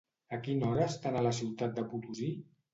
A quina hora estan a la ciutat de Potosí?